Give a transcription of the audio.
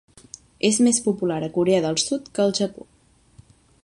És més popular a Corea del Sud que al Japó.